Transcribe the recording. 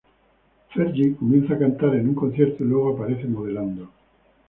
Fergie comienza a cantar en un concierto, y luego aparece modelando.